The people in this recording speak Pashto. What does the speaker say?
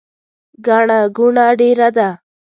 ګڼه ګوڼه ډیره ده